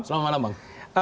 selamat malam bang